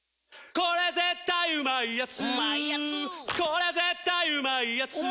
これ絶対うまいやつ」